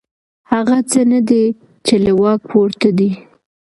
هغه څه نه دي چې له واک پورته دي.